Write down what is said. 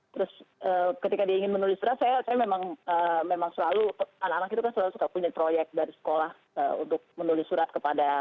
terus ketika dia ingin menulis surat saya memang selalu anak anak itu kan selalu suka punya proyek dari sekolah untuk menulis surat kepada